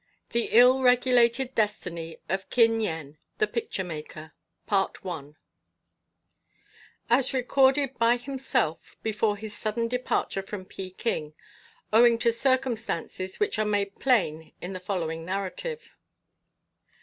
THE ILL REGULATED DESTINY OF KIN YEN, THE PICTURE MAKER As recorded by himself before his sudden departure from Peking, owing to circumstances which are made plain in the following narrative.